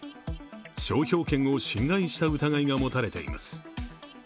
商標権を侵害した疑いが持たれています。